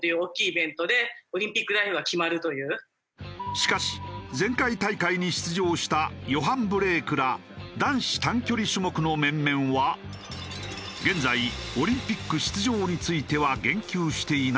しかし前回大会に出場したヨハン・ブレークら男子短距離種目の面々は現在オリンピック出場については言及していないという。